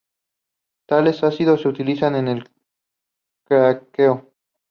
Tales ácidos se utilizan en el craqueo.